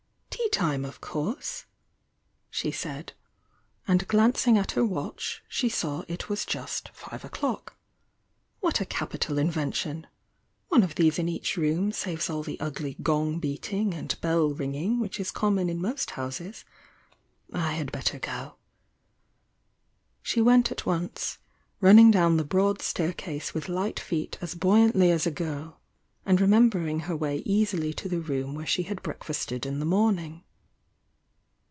"Tea time, of course!" she said, and glancing at her watch she saw it was just five o'clock. "What a capital invention! One of these in each room saves all the ugly gong beating and bell ringing which is common in most houses; I had better go " She went at once, running down the broad stair case with light feet as buoyantly as a girl, and re membering her way easily to the room where she had breakfasted in the morning.